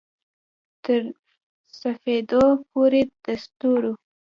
تر سپیدو پوري د ستورو